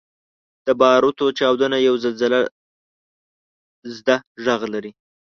• د باروتو چاودنه یو زلزلهزده ږغ لري.